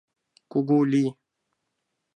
Кугу лий!